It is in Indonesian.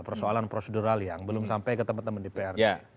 persoalan prosedural yang belum sampai ke teman teman dprd